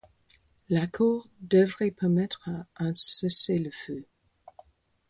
L'accord devrait permettre un cessez-le-feu.